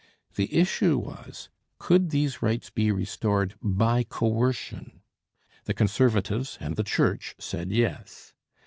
The issue was, Could these rights be restored by coercion? The Conservatives and the Church said Yes.